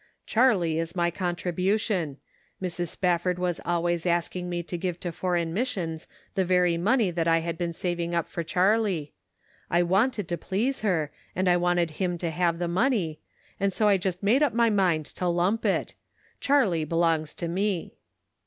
" Charlie is my contribution ; Mrs. Spafford was always asking me to give to Foreign Missions the very money that I had been saving up for Charlie. I wanted to please her, arid I wanted him to have the money, and so I just made up my mind to lump it. Charlie belongs to me."